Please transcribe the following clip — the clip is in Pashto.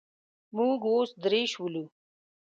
موږ اوس درې شولو.